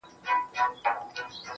په خــــنــدا كيــسـه شـــــروع كړه.